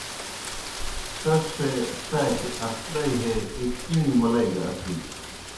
سیْس سے ساتیْ اسدئی ہے ایْک کِݨیْ مُلَئی گہ اسِلیْ۔